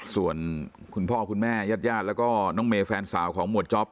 ส่วนคุณพ่อคุณแม่ญาติญาติแล้วก็น้องเมย์แฟนสาวของหมวดจ๊อป